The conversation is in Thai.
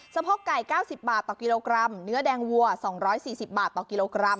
สะพอกไก่เก้าสิบบาทต่อกิโลกรัมเนื้อแดงวัวสองร้อยสี่สิบบาทต่อกิโลกรัม